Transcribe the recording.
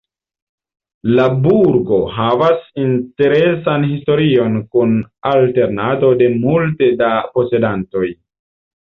La burgo havas interesan historion kun alternado de multe da posedantoj.